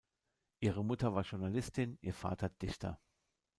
Ihre Mutter war Journalistin, ihr Vater Dichter.